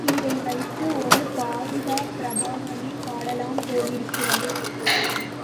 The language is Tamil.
இதை வைத்து ஒரு பாதுகா பிரபாவமே பாடலாம் போலிருக்கிறது!